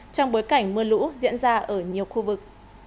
trong bối cảnh mưa lũ diễn ra ở nhiều khu vực